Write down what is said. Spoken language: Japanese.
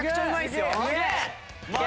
すげえ！